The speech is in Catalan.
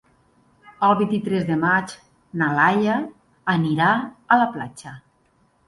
El vint-i-tres de maig na Laia anirà a la platja.